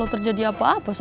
waktunya gue caps